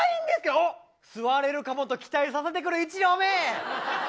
座れるかもと期待させてくる１両目。